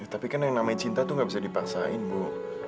tapi kan yang namanya cinta tuh gak bisa dipaksain bu